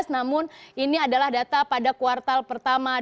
namun ini adalah data pada kuartal pertama